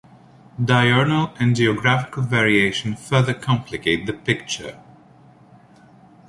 Diurnal and geographical variation further complicate the picture.